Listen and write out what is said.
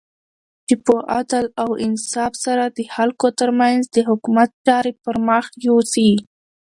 چی په عدل او انصاف سره د خلګو ترمنځ د حکومت چاری پرمخ یوسی